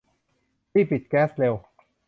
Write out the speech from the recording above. รีบปิดแก๊สเร็ว !